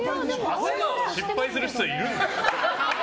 朝顔、失敗する人いる？